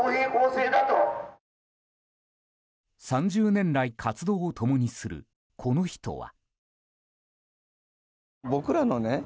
３０年来活動を共にするこの人は。